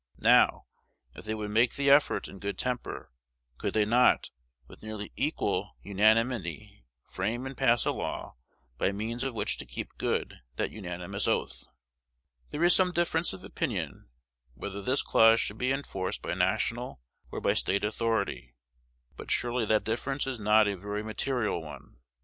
Now, if they would make the effort in good temper, could they not, with nearly equal unanimity, frame and pass a law by means of which to keep good that unanimous oath? There is some difference of opinion whether this clause should be enforced by national or by State authority; but surely that difference is not a very material one.